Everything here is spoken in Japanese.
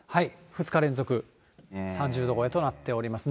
２日連続、３０度超えとなっております。